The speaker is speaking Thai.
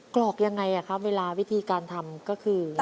กรอกยังไงครับเวลาวิธีการทำก็คือ